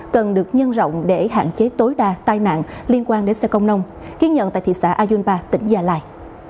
làm để hạn chế tối đa tai nạn liên quan đến xe công nông kiến nhận tại thị xã ayunpa tỉnh gia lai